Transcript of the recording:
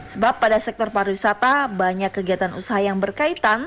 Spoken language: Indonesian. sebab pada sektor pariwisata banyak kegiatan usaha yang berkaitan